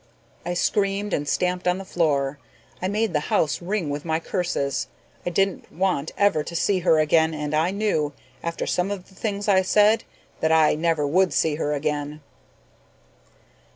I screamed and stamped on the floor. I made the house ring with my curses. I didn't want ever to see her again and I knew, after some of the things I said, that I never would see her again."